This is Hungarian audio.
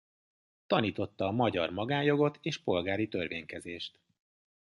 Tanította a magyar magánjogot és polgári törvénykezést.